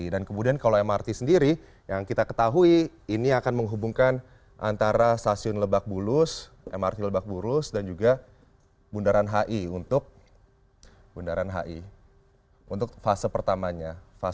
dan kemudian kalau mrt sendiri yang kita ketahui ini akan menghubungkan antara stasiun lebak bulus mrt lebak bulus dan juga bundaran hi untuk fase pertamanya